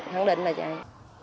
thẳng định là vậy